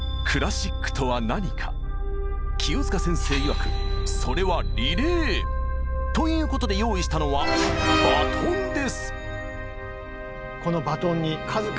清塚先生いわくそれは「リレー」！ということで用意したのはなるほど。